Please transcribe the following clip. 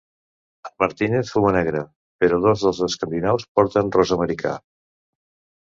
En Martínez fuma negre, però dos dels escandinaus porten ros americà.